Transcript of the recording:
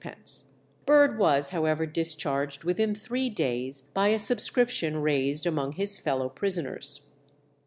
_ Bird was, however, discharged within three days by a subscription raised among his fellow prisoners.